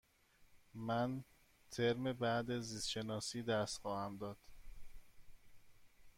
من ترم بعد زیست شناسی درس خواهم داد.